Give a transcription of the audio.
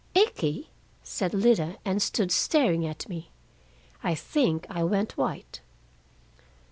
"'Ikkie'!" said Lida, and stood staring at me. I think I went white.